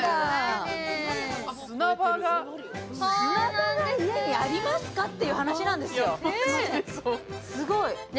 砂場が家にありますかって話なんですよね。